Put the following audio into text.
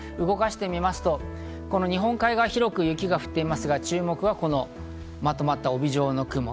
動かしてみますと、日本海側、広く雪が降っていますが、注目はこのまとまった帯状の雲。